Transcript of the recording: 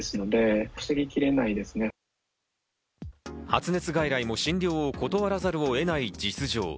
発熱外来も診療を断らざるを得ない実情。